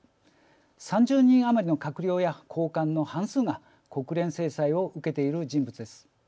３０人余りの閣僚や高官の半数が国連制裁を受けている人物です。